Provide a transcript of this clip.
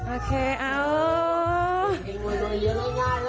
โอเคเอ้า